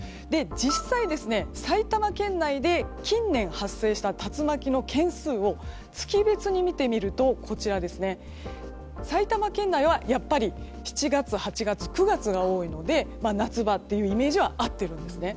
実際、埼玉県内で近年発生した竜巻の件数を月別に見てみると埼玉県内はやっぱり７月、８月、９月が多いので夏場というイメージは合っているんですね。